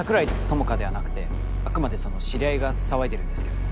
ともかではなくてあくまでその知り合いが騒いでるんですけど。